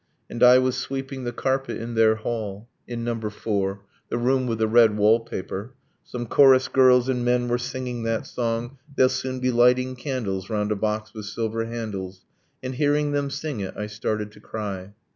And I was sweeping the carpet in their hall. In number four the room with the red wall paper Some chorus girls and men were singing that song 'They'll soon be lighting candles Round a box with silver handles' and hearing them sing it I started to cry.